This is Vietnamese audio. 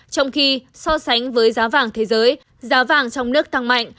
trong khi so sánh với giá vàng thế giới giá vàng trong nước tăng mạnh